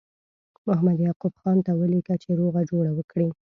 محمد یعقوب خان ته ولیکه چې روغه جوړه وکړي.